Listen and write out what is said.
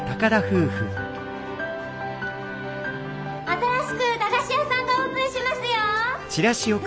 新しく駄菓子屋さんがオープンしますよ！